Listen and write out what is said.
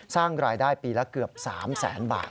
สร้างรายได้ปีละเกือบ๓แสนบาท